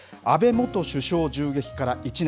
元首相銃撃から１年。